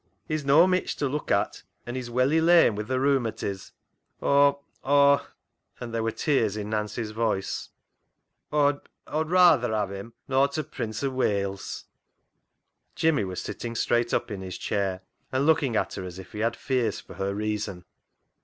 He's no mitch to look at, and he's welly [nearly] lame wi' th' rheumatiz ; Aw — aw" — and there were tears in Nancy's voice —" Aw'd rayther have him nor t' Prince o' Wales." Jimmy was sitting straight up in his chair, and looking at her as if he had fears for her reason.